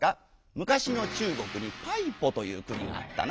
「むかしの中国にパイポという国があったな。